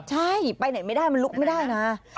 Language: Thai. ใช่ไปไหนไม่ได้มันลุกไม่ได้นะ